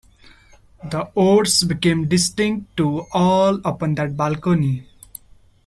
The words became distinct to all upon that balcony.